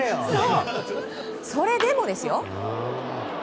それでもですよ。